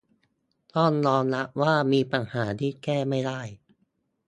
ต้องยอมรับว่ามีปัญหาที่แก้ไม่ได้